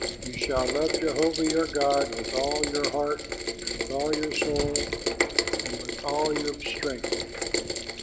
You shall love Jehovah your God with all your heart, with all your soul, and with all your strength.